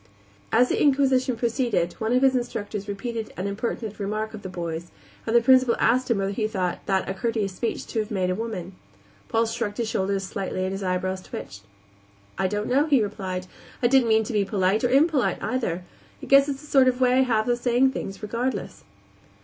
As the inquisition proceeded one of his instructors repeated an impertinent remark of the boy's, and the Principal asked him whether he thought that a courteous speech to have made a woman. Paul shrugged his shoulders slightly and his eyebrows twitched. "I don't know," he replied. "I didn't mean to be polite or impolite, either. I guess it's a sort of way I have of saying things regardless."